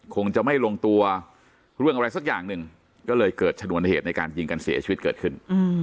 คงจะไม่ลงตัวเรื่องอะไรสักอย่างหนึ่งก็เลยเกิดชนวนเหตุในการยิงกันเสียชีวิตเกิดขึ้น